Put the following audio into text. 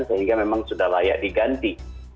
sehingga memang sudah layak diganti